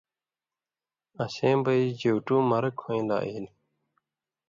آں سَیں بئ جیُوٹُو مرک ہویں لا ایل۔